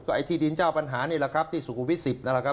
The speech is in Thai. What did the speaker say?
ไอ้ที่ดินเจ้าปัญหานี่แหละครับที่สุขุวิต๑๐นั่นแหละครับ